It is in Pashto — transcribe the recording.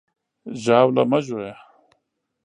ژاوله مه ژویه!